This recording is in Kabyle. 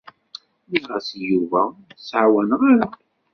Nniɣ-as i Yuba ur t-ttɛawaneɣ ara.